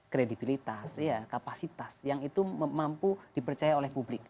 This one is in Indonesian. kredibilitas kapasitas yang itu mampu dipercaya oleh publik